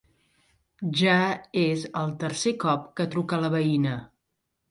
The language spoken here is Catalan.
Ja és el tercer cop que truca la veïna...